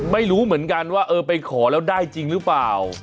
ไม่รู้เหมือนกันว่าเออไปขอแล้วได้จริงหรือเปล่า